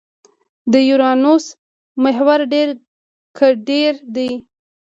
د یورانوس محور ډېر کډېر دی.